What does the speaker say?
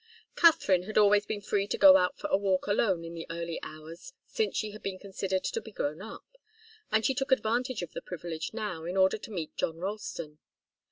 Katharine had always been free to go out for a walk alone in the early hours since she had been considered to be grown up, and she took advantage of the privilege now in order to meet John Ralston.